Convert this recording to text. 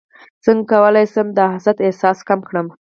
څنګه کولی شم د حسد احساس کم کړم